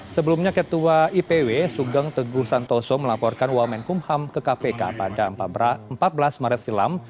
sebelumnya ketua ipw sugeng teguh santoso melaporkan wamenkumham ke kpk pada empat belas maret silam